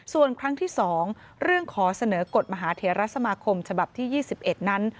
ส่วนครั้งที่๒เรื่องขอเสนอกฎมหาเทรสมาคมฉบับที่๒๑นั้น